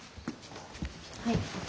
はい。